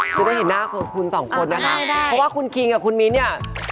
ก็ให้เห็นหน้าคุณสองคนละคะเพราะว่าคุณคิงอ่ะคุณมิ้นเนี่ยอ้าได้